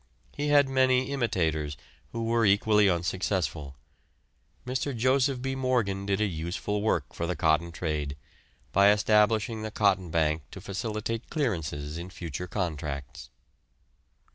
He had many imitators, who were equally unsuccessful. Mr. Joseph B. Morgan did a useful work for the cotton trade, by establishing the cotton bank to facilitate clearances in future contracts.